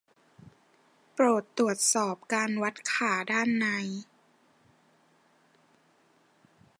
โปรดตรวจสอบการวัดขาด้านใน